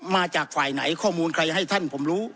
มาจากฝ่ายไหนข้อมูลใครให้ท่านผมรู้